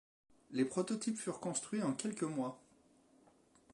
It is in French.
Les prototypes furent construits en quelques mois.